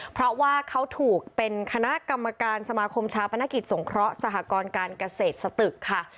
เพราะว่าเขาถูกเป็นคณะกรรมการสมาคมชาปนกิจสงเคราะห์สหกรการเกษตรสตึกค่ะ